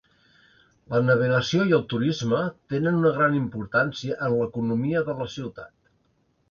La navegació i el turisme tenen una gran importància en l'economia de la ciutat.